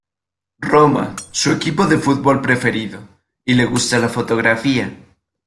Roma, su equipo de fútbol preferido, y le gusta la fotografía.